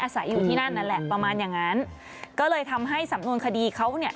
ซึ่งมันคนละที่กัน